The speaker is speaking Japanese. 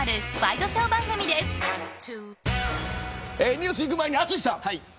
ニュースいく前に淳さん。